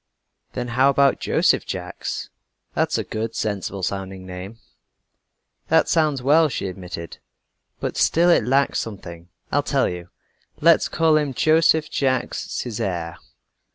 "Then how about Joseph Jacques? That's a good, sensible sounding name." "That sounds well," she admitted, "but still it lacks something. I'll tell you. Let's call him Joseph Jacques Césaire."